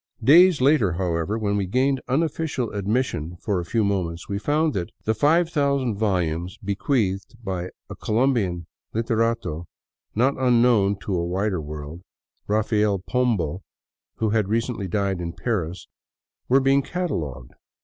Days later, however, when we gained unofficial admission for a few moments, we found that the 5000 volumes be queathed by a Colombian " literato " not unknown to a wider world — Rafael Pombo, who had recently died in Paris — were being catalogued.